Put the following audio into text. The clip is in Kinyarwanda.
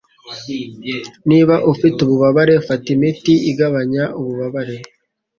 Niba ufite ububabare, fata imiti igabanya ububabare.